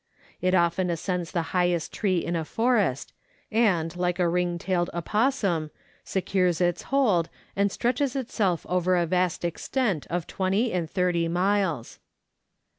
It often ascends the highest tree in a forest, and, like a ring tailed opossum, secures its hold, and stretches itself over a vast extent of 20 and 30 miles.